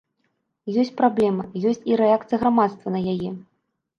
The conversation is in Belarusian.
Ёсць праблема, ёсць і рэакцыя грамадства на яе.